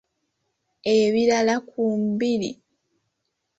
Ebirala ku mbiri.